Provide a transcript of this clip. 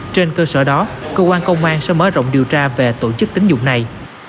trên cơ sở đó cơ quan công an sẽ mở rộng điều tra về tổ chức tính dụng này